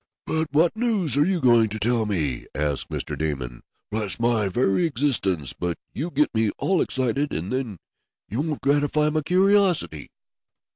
"But what news are you going to tell me?" asked Mr. Damon. "Bless my very existence, but you get me all excited, and then you won't gratify my curiosity."